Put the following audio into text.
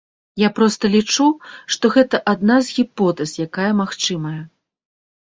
Я проста лічу, што гэта адна з гіпотэз, якая магчымая.